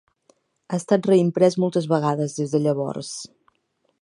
Ha estat reimprès moltes vegades des de llavors.